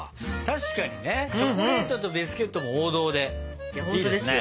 確かにねチョコレートとビスケットも王道でいいですね。